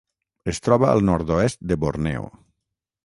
Es troba al nord-oest de Borneo.